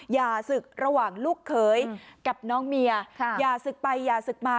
อย่าศึกระหว่างลูกเขยกับน้องเมียอย่าศึกไปอย่าศึกมา